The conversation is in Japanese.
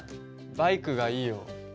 バイクがいいよ。